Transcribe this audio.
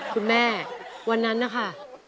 คุณแม่วันนั้นนะค่ะ